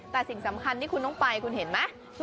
แต่สิ่งสำคัญที่คุณต้องไปคุณเห็นไหม